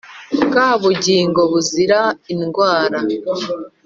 bwa bugingo buzira indwara